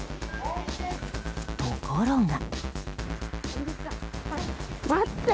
ところが。